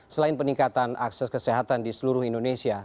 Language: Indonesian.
selain peningkatan akses kesehatan di seluruh indonesia